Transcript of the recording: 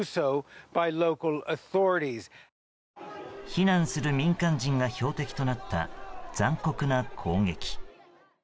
避難する民間人が標的となった残酷な攻撃。